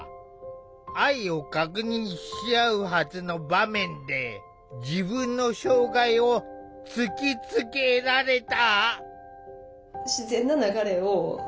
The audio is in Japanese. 愛を確認し合うはずの場面で自分の障害を突きつけられた。